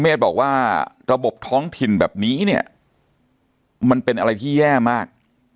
เมฆบอกว่าระบบท้องถิ่นแบบนี้เนี่ยมันเป็นอะไรที่แย่มาก